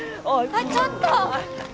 あっちょっと！